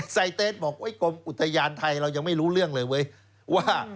ไซเตสบอกกรมอุทยานไทยเรายังไม่รู้เรื่องเลยเว้ยว่า